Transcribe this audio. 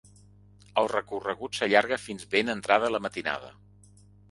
El recorregut s’allarga fins ben entrada la matinada.